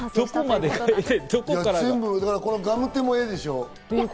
全部、このガムテも絵でしょ？